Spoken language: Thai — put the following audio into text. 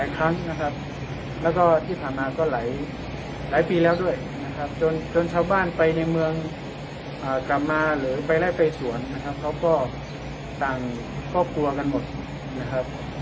นะครับแล้วก็ที่ผ่านมาก็หลายปีแล้วด้วยนะครับจนชาวบ้านไปในเมืองกลับมาหรือไปไล่ไปสวนนะครับเขาก็ต่างครอบครัวกันหมดนะครับ